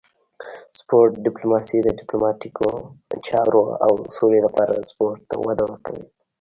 سپورت ډیپلوماسي د ډیپلوماتیکو چارو او سولې لپاره سپورت ته وده ورکوي